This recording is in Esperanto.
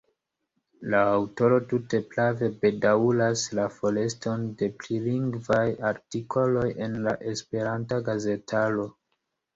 La aŭtoro tute prave bedaŭras la foreston de prilingvaj artikoloj en la esperanta gazetaro.